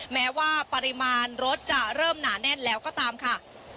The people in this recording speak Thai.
แม้ว่าปริมาณรถจะเริ่มหนาแน่นแล้วก็ตามค่ะ